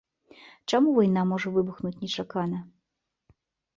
Чаму вайна можа выбухнуць нечакана?